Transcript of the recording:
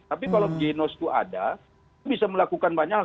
tapi kalau genos itu ada bisa melakukan banyak hal